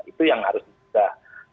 itu yang harus diselesaikan